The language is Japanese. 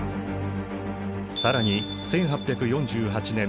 更に１８４８年２月。